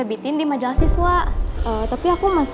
eh bangkuan men